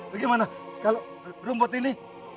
bagaimana kalau sobat ini